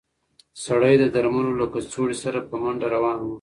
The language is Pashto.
سړی د درملو له کڅوړې سره په منډه روان و.